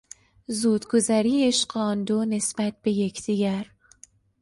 زودگذری عشق آن دو نسبت به یگدیگر